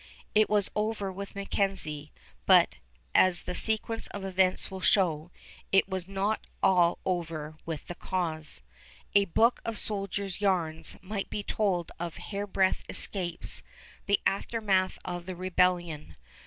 It was over with MacKenzie, but, as the sequence of events will show, it was not all over with the cause. A book of soldiers' yarns might be told of hairbreadth escapes, the aftermath of the rebellion.